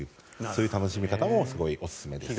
そういう楽しみ方もすごいおすすめです。